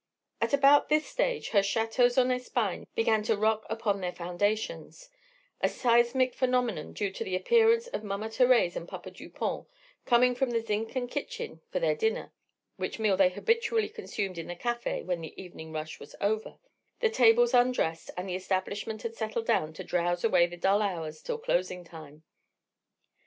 At about this stage her châteaux en Espagne began to rock upon their foundations; a seismic phenomenon due to the appearance of Mama Thérèse and Papa Dupont, coming from zinc and kitchen for their dinner, which meal they habitually consumed in the café when the evening rush was over, the tables undressed, and the establishment had settled down to drowse away the dull hours till closing time.